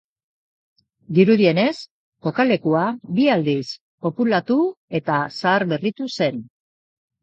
Dirudienez, kokalekua bi aldiz populatu eta zaharberritu zen.